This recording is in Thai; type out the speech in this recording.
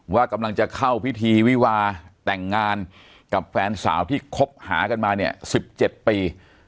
ว่ากำลังจะเข้าพิธีวิวาแต่งงานกับแฟนสาวที่คบหากันมาเนี่ย๑๗ปี